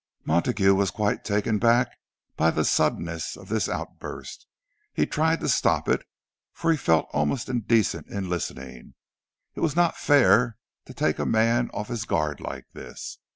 Montague was quite taken aback by the suddenness of this outburst. He tried to stop it, for he felt almost indecent in listening—it was not fair to take a man off his guard like this.